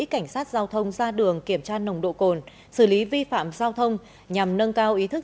cảnh sát giao thông ra đường kiểm tra nồng độ cồn xử lý vi phạm giao thông nhằm nâng cao ý thức